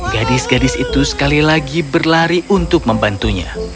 gadis gadis itu sekali lagi berlari untuk membantunya